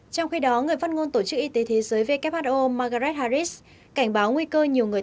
trong khi đó người phát ngôn tổ chức y tế thế giới who margaret harris cảnh báo nguy cơ nhiều người